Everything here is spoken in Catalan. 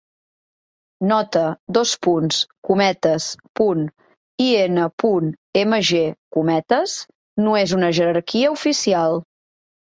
Nota: ".in.mg" no és una jerarquia oficial.